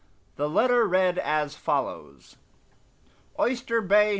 The letter ran as follows: OYSTER BAY, N.